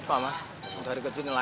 dari kecil nelayan ini aja